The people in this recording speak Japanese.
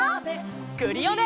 クリオネ！